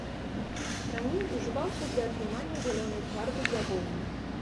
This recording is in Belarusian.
Раней ўжываўся для атрымання зялёнай фарбы для воўны.